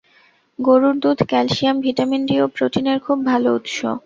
গরুর দুধ calcium, vitamin D ও প্রোটিনের খুব ভালো উৎস।